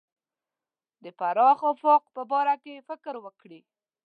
د پراخ افق په باره کې فکر وکړي.